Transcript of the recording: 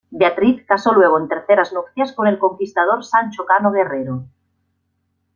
Beatriz casó luego en terceras nupcias con el conquistador Sancho Cano Guerrero.